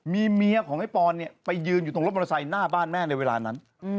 มีเมียของไอ้ปอนไปยืนอยู่ตรงรถมอเตอร์ไซค์หน้าบ้านแม่ในเวลานั้น